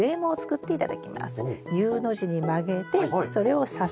Ｕの字に曲げてそれをさす。